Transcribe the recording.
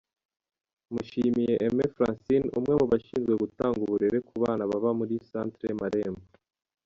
Mushimiye Aime Francine umwe mu bashinzwe gutanga uburere ku bana baba muri Centre Marembo.